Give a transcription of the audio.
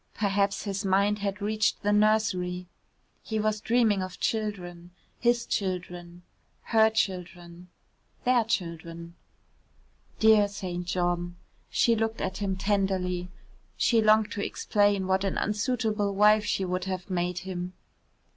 Perhaps his mind had reached the nursery. He was dreaming of children, his children, her children, their children. Dear St. John. She looked at him tenderly. She longed to explain what an unsuitable wife she would have made him.